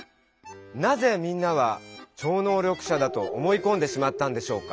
なぜみんなは超能力者だと思いこんでしまったんでしょうか。